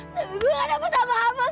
tapi gue gak dapat apa apa